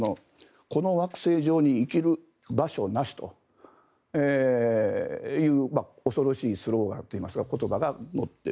この惑星上に生きる場所なしという恐ろしいスローガンというか言葉が載っている。